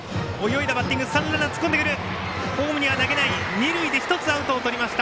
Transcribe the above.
二塁で１つアウトをとりました。